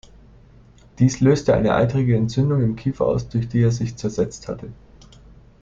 Dies löste eine eitrige Entzündung im Kiefer aus, durch die er sich zersetzt hatte.